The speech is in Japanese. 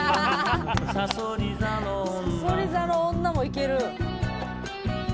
「さそり座の女」もいける。